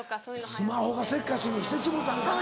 スマホがせっかちにしてしもうたんかな人を。